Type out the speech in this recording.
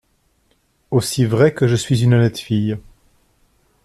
Aussi vrai que je suis une honnête fille !